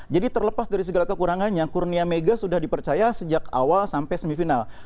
jadi terlepas dari segala kekurangannya kurnia mega sudah dipercaya sejak awal sampai semifinal